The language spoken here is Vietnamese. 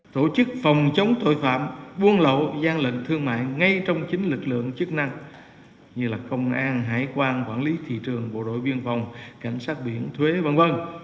tổ chức phòng chống tội phạm buôn lậu gian lệnh thương mại ngay trong chính lực lượng chức năng như là công an hải quan quản lý thị trường bộ đội biên phòng cảnh sát biển thuế v v